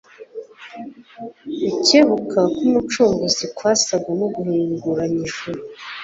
Gukebuka k'Umucunguzi kwasaga n'uguhinguranya ijuru